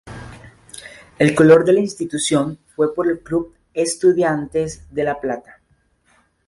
El color de la institución fue por el Club Estudiantes de La Plata.